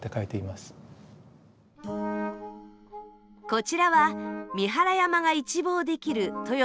こちらは三原山が一望できるとよ